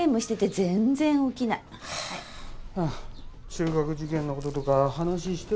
中学受験のこととか話してるのか？